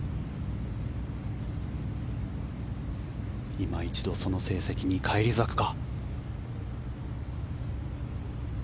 今一度その成績に返り咲くか。